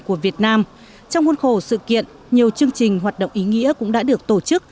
của việt nam trong nguồn khổ sự kiện nhiều chương trình hoạt động ý nghĩa cũng đã được tổ chức